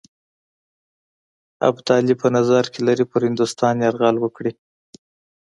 ابدالي په نظر کې لري پر هندوستان یرغل وکړي.